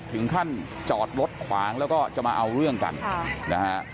ถึงขั้นจอดรถขวางแล้วก็จะมาเอาเรื่องกันนะฮะ